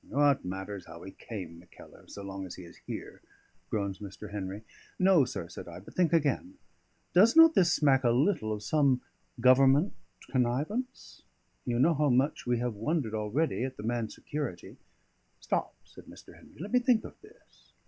"What matters how he came, Mackellar, so long as he is here?" groans Mr. Henry. "No, sir," said I, "but think again! Does not this smack a little of some Government connivance? You know how much we have wondered already at the man's security." "Stop," said Mr. Henry. "Let me think of this."